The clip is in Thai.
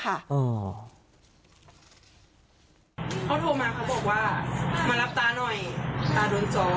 เขาโทรมาเขาบอกว่ามารับตาหน่อยตาโดนซ้อม